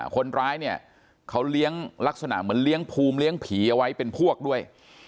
คนร้ายเนี่ยเขาเลี้ยงลักษณะเหมือนเลี้ยงภูมิเลี้ยงผีเอาไว้เป็นพวกด้วย